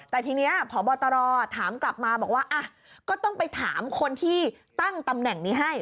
แต่ทีนี้พบตรถามกลับมาบอกว่าก็ต้องไปถามคนที่ตั้งตำแหน่งนี้ให้